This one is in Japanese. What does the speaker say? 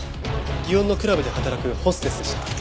園のクラブで働くホステスでした。